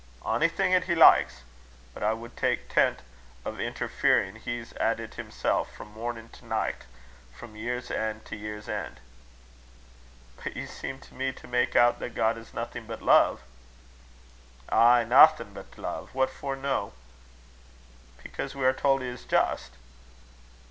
"Onything 'at he likes. But I would tak' tent o' interferin'. He's at it himsel' frae mornin' to nicht, frae year's en' to year's en'." "But you seem to me to make out that God is nothing but love!" "Ay, naething but love. What for no?" "Because we are told he is just."